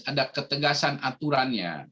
ada ketegasan aturannya